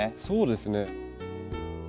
そうですね。